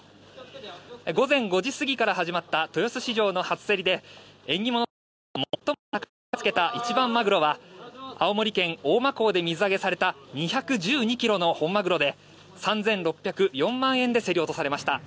午前５時過ぎから始まった豊洲市場の初競りで縁起物として最も高値をつけた一番マグロは青森県・大間港で水揚げされた２１２ｋｇの本マグロで３６０４万円で競り落とされました。